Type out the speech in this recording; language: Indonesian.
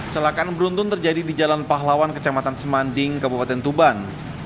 celakaan beruntun terjadi di jalan pahlawan kecamatan semanding kabupaten tuban